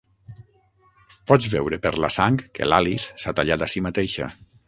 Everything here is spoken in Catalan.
Pots veure per la sang que l'Alice s'ha tallat a si mateixa.